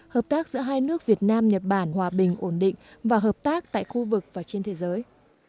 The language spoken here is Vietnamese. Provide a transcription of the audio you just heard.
hợp tác giữa hai nước việt nam nhật bản hòa bình ổn định và hợp tác tại khu vực và trên thế giới